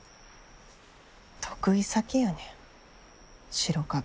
得意先やねん白壁。